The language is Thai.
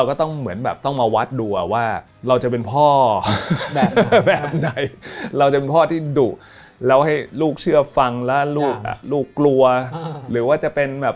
พูดด้วยกันมาเล่าหน่อย